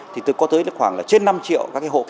thì có tới khoảng trên năm triệu